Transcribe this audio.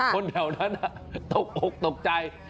คนแถวนั้นตกอกตกใจ